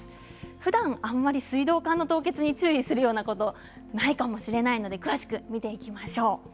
ふだん、あまり水道管の凍結に注意するようなことないかもしれないので詳しく見ていきましょう。